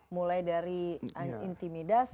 mulai dari intimidasi